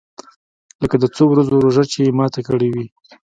لکه د څو ورځو روژه چې مې ماته کړې وي.